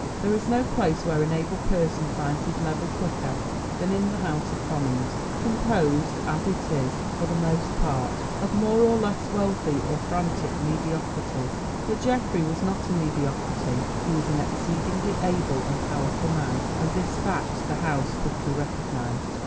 There is no place where an able person finds his level quicker than in the House of Commons, composed as it is for the most part, of more or less wealthy or frantic mediocrities. But Geoffrey was not a mediocrity, he was an exceedingly able and powerful man, and this fact the House quickly recognised.